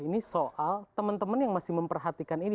ini soal teman teman yang masih memperhatikan ini